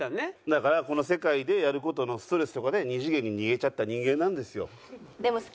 だからこの世界でやる事のストレスとかで２次元に逃げちゃった人間なんですよ。